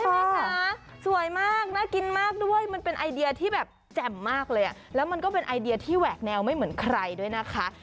ไหมคะสวยมากน่ากินมากด้วยมันเป็นไอเดียที่แบบแจ่มมากเลยอ่ะแล้วมันก็เป็นไอเดียที่แหวกแนวไม่เหมือนใครด้วยนะคะ